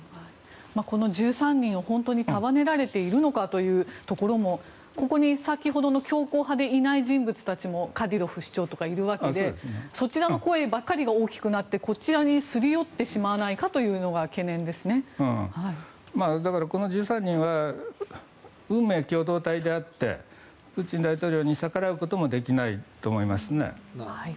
この１３人を本当に束ねられているのかというところもここに先ほどの強硬派でいない人物たちカディロフ首長とかいるわけでそちらの声ばかりが大きくなってこちらにすり寄ってしまわないかというのがこの１３人は運命共同体であってプーチン大統領に逆らうこともできないと思いますね。